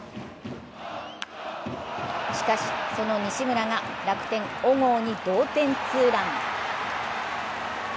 しかし、その西村が楽天・小郷に同点ツーラン。